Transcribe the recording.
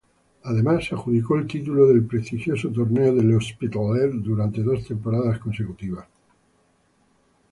Además, se adjudicó el título del prestigioso Torneo de L'Hospitalet durante dos temporadas consecutivas.